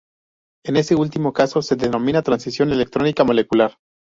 En este último caso se denomina "transición electrónica molecular".